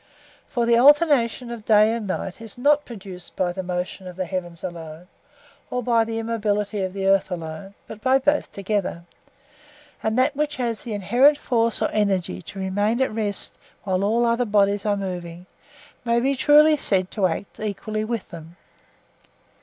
For the alternation of day and night is not produced by the motion of the heavens alone, or by the immobility of the earth alone, but by both together; and that which has the inherent force or energy to remain at rest when all other bodies are moving, may be truly said to act, equally with them.